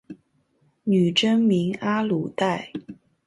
女真名阿鲁带。